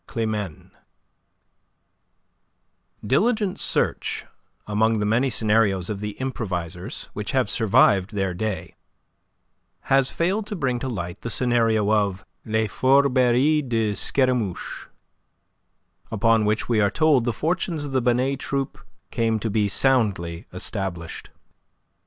CLIMENE Diligent search among the many scenarios of the improvisers which have survived their day, has failed to bring to light the scenario of "Les Fourberies de Scaramouche," upon which we are told the fortunes of the Binet troupe came to be soundly established.